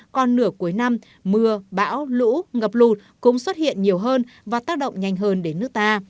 còn nửa cuối năm mưa bão lũ ngập lụt cũng xuất hiện nhiều hơn và tác động nhanh hơn đến nước ta